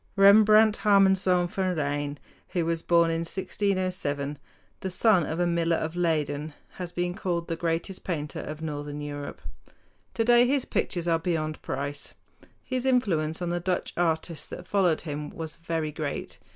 Rembrandt Harmanzoon van Rijn, who was born in 1607, the son of a miller of Leyden, has been called the greatest painter of northern Europe. Today his pictures are beyond price. His influence on the Dutch artists that followed him was very great.